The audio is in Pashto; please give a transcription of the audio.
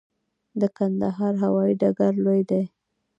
د کندهار هوايي ډګر لوی دی